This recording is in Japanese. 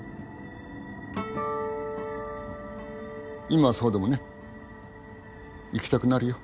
今はそうでもね行きたくなるよ